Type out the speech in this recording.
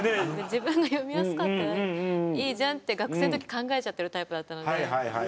自分が読みやすかったらいいじゃん？って学生のとき考えちゃってるタイプだったので。